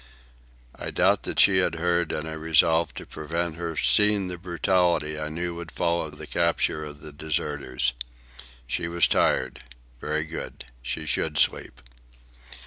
I doubted that she had heard, and I resolved to prevent her seeing the brutality I knew would follow the capture of the deserters. She was tired. Very good. She should sleep.